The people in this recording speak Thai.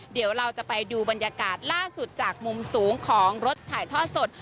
เดี๋ยวเราจะไปดูบรรยากาศล่าสุดจากมุมสูงของรถถ่ายทอดสด